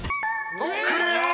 ［クリア！］